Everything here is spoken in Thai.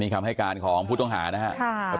นี่คำให้การขออองผู้ทองหานะค่ะครับ